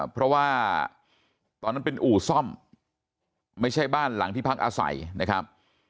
เพราะว่าตอนนั้นเป็นอู่ซ่อมไม่ใช่บ้านหลังที่พักอาศัยนะครับ